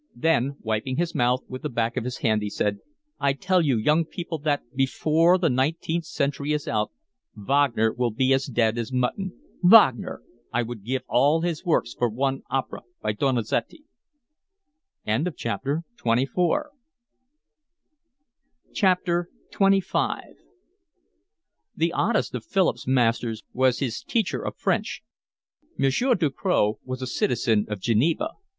Then wiping his mouth with the back of his hand, he said: "I tell you young people that before the nineteenth century is out Wagner will be as dead as mutton. Wagner! I would give all his works for one opera by Donizetti." XXV The oddest of Philip's masters was his teacher of French. Monsieur Ducroz was a citizen of Geneva.